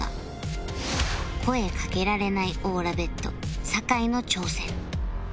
声かけられないオーラ ＢＥＴ 酒井の挑戦